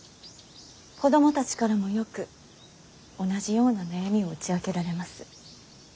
子供たちからもよく同じような悩みを打ち明けられます。